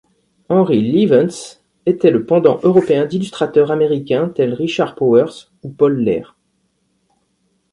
Henri Lievens était le pendant européen d'illustrateurs américains tel Richard Powers ou Paul Lehr.